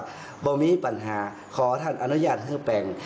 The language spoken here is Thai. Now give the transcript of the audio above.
ไม่มีปัญหาขอท่านอนุญาตเพื่อแปลง